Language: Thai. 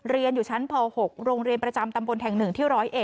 เรียนอยู่ชั้นป๖โรงเรียนประจำตำบลแห่ง๑ที่๑๐๑